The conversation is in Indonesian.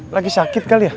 lagi sakit kali ya